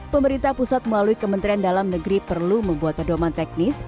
pemerintah pusat melalui kementerian dalam negeri perlu membuat pedoman teknis